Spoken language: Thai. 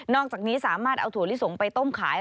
อกจากนี้สามารถเอาถั่วลิสงไปต้มขาย